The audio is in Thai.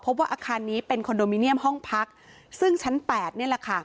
ว่าอาคารนี้เป็นคอนโดมิเนียมห้องพักซึ่งชั้นแปดนี่แหละค่ะ